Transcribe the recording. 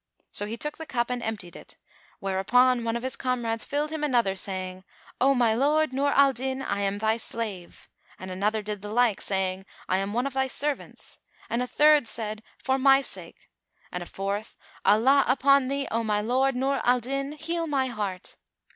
So he took the cup and emptied it: whereupon one of his comrades filled him another, saying, "O my lord Nur al Din, I am thy slave," and another did the like, saying, "I am one of thy servants," and a third said, "For my sake!" and a fourth, "Allah upon thee, O my lord Nur al Din, heal my heart!"